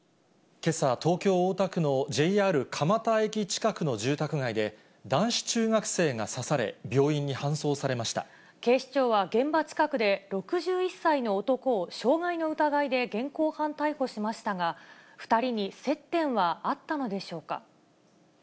けさ、東京・大田区のＪＲ蒲田駅近くの住宅街で、男子中学生が刺され、警視庁は現場近くで、６１歳の男を傷害の疑いで現行犯逮捕しましたが、２人に接点はあったのでしょうか。